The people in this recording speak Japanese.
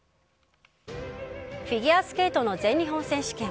フィギュアスケートの全日本選手権。